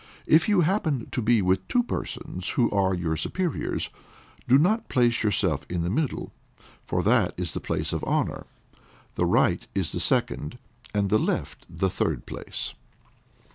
If you happen to be with two persons who are your superiors, do not place yourself in the middle, for that is the place of honor; the right, is the second, and the left the third place.